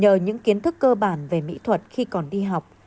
nhờ những kiến thức cơ bản về mỹ thuật khi còn đi học